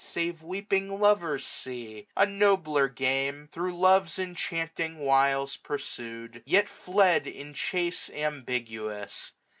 Save weeping lovers, see j a nobler game. Thro' Love's enchanting wiles pursued, yet fled. In chase ambiguous.